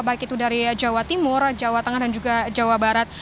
baik itu dari jawa timur jawa tengah dan juga jawa barat